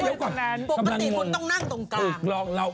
ไม่เยอะกว่าปกติคุณต้องนั่งตรงกลาง